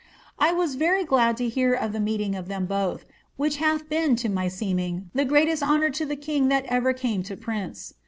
I was very glad to hear of the meeting of them both, which hath been to my seeming the greatest honour to the king that ever came to prince.